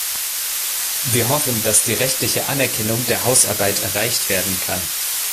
Wir hoffen, dass die rechtliche Anerkennung der Hausarbeit erreicht werden kann.